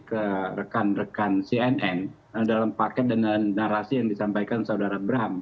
ke rekan rekan cnn dalam paket dengan narasi yang disampaikan saudara bram